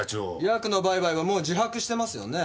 ヤクの売買はもう自白してますよね？